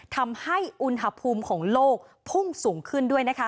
ทำให้อุณหภูมิของโลกพุ่งสูงขึ้นด้วยนะคะ